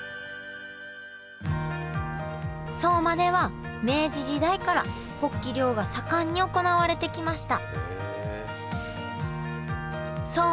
相馬では明治時代からホッキ漁が盛んに行われてきました